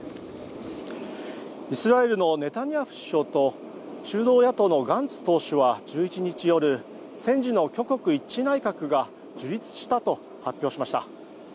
イスラエルのネタニヤフ首相と中道野党のガンツ党首は１１日夜戦時の挙国一致内閣が樹立したと発表しました。